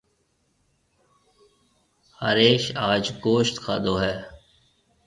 هريش آج گوشت کادو هيَ۔